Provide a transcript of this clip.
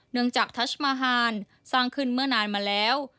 จากทัชมาฮานสร้างขึ้นเมื่อนานมาแล้ว